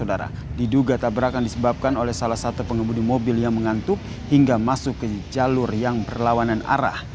diduga tabrakan disebabkan oleh salah satu pengemudi mobil yang mengantuk hingga masuk ke jalur yang berlawanan arah